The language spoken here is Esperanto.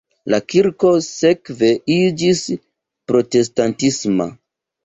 La kirko sekve iĝis protestantisma.